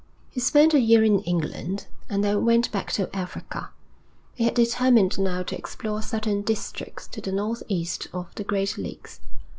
He spent a year in England, and then went back to Africa. He had determined now to explore certain districts to the northeast of the great lakes.